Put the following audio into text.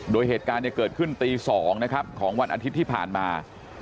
โดยเหตุการณ์เกิดขึ้นตี๒นะครับของวันอาทิตย์ที่ผ่านมา